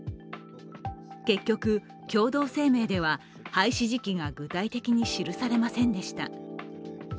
結局、共同声明では廃止時期が具体的に記されませんでした。